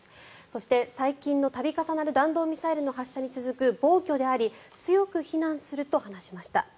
そして最近の、度重なる弾道ミサイルの発射に続く暴挙であり強く非難すると話しました。